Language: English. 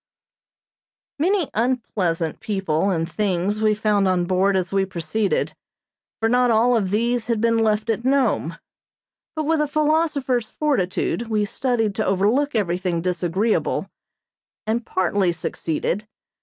Many unpleasant people and things we found on board as we proceeded, for not all of these had been left at Nome; but with a philosopher's fortitude we studied to overlook everything disagreeable, and partly succeeded.